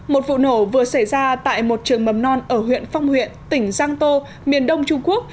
một vụ nổ vừa xảy ra tại một trường mầm non ở huyện phong huyện tỉnh giang tô miền đông trung quốc